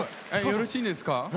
よろしいですか。